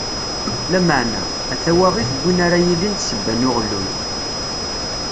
Lameɛna, a tawaɣit n win ara yilin d ssebba n uɣelluy!